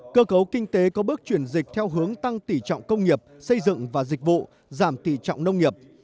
cơ cấu kinh tế có bước chuyển dịch theo hướng tăng tỉ trọng công nghiệp xây dựng và dịch vụ giảm tỷ trọng nông nghiệp